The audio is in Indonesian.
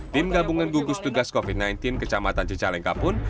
tim gabungan gugus tugas covid sembilan belas kecamatan cicalengka pun